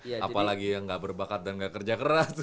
apalagi yang gak berbakat dan gak kerja keras